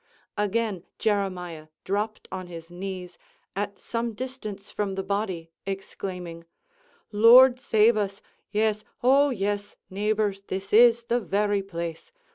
Again Jeremiah dropt on his knees, at some distance from the body, exclaiming, "Lord save us! yes! oh, yes, neighbors, this is the very place!